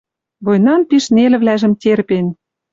Войнан пиш нелӹвлӓжӹм терпен